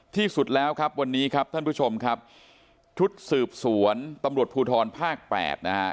ที่สุดแล้วครับวันนี้ครับท่านผู้ชมครับชุดสืบสวนตำรวจภูทรภาคแปดนะฮะ